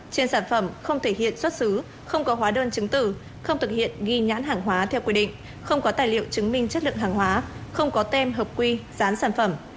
trên sản phẩm không thể hiện xuất xứ không có hóa đơn chứng tử không thực hiện ghi nhãn hàng hóa theo quy định không có tài liệu chứng minh chất lượng hàng hóa không có tem hợp quy gián sản phẩm